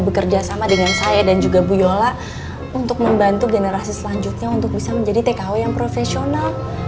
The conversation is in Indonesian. bekerja sama dengan saya dan juga bu yola untuk membantu generasi selanjutnya untuk bisa menjadi tkw yang profesional